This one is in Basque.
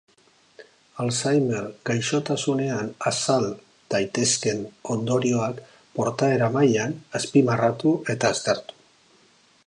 Alzheimer gaixotasunean azal daitezkeen ondorioak portaera-mailan azpimarratu eta aztertu.